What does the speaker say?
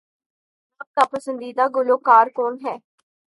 آپ کا پسندیدہ گلوکار کون ہے؟